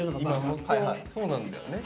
そうなんだよね。